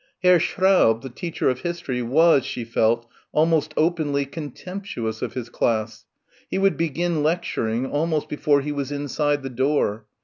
Herr Schraub, the teacher of history, was, she felt, almost openly contemptuous of his class. He would begin lecturing, almost before he was inside the door.